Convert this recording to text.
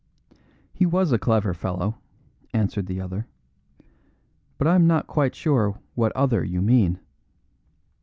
"He was a clever fellow," answered the other, "but I am not quite sure of what other you mean."